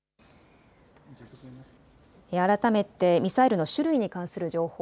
改めてミサイルの種類に関する情報。